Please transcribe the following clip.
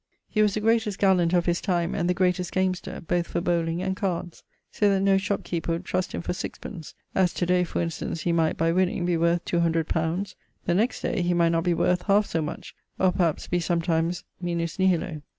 He was the greatest gallant of his time, and the greatest gamester, both for bowling[LXXXVII.] and cards, so that no shop keeper would trust him for 6_d._, as to day, for instance, he might, by winning, be worth 200 li., the next day he might not be worth half so much, or perhaps be sometimes minus nihilo.